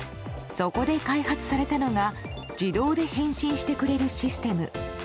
そこで開発されたのが自動で返信してくれるシステム。